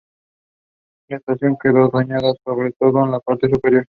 La estación quedó dañada, sobre todo en la parte superior.